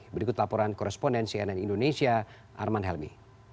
berikut laporan korespondensi ann indonesia arman helmi